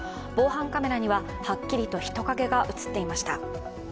防犯カメラにははっきりと人影が映っていました。